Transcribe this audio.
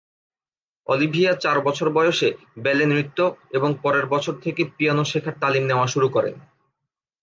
Olivia চার বছর বয়সে ব্যালে নৃত্য এবং পরের বছর থেকে পিয়ানো শেখার তালিম নেওয়া শুরু করেন।